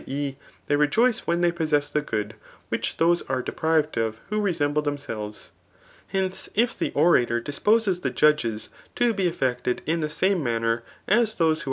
e. theyTejoicei; ^hevi they possess the good which those aredeprived of who ce8end>ie themselves.] Hencei if ttie orator dis^ poses the judges^ be affe(:ted In the same m^ner as those aie who.